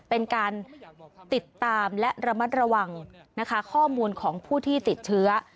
เป็นการติดตามและระมัดระวังนะคะข้อมูลของผู้ที่ติดเชื้อ